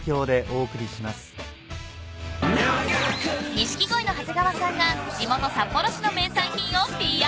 ［錦鯉の長谷川さんが地元札幌市の名産品をＰＲ］